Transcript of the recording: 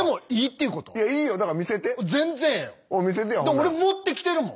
俺持ってきてるもん。